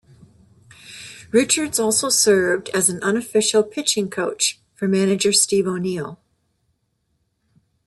Richards also served as an unofficial pitching coach for manager Steve O'Neill.